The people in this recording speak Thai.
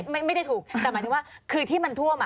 แต่หมายถึงว่าคือที่มันท่วม